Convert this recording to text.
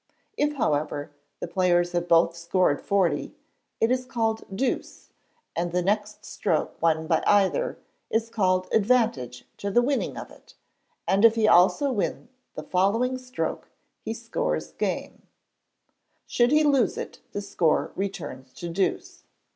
If, however, the players have both scored 40, it is called deuce, and the next stroke won by either is called advantage to the winner of it, and if he also win the following stroke he scorea game. Should he lose it the score returns to deuce.